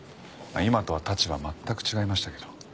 今とは立場全く違いましたけど。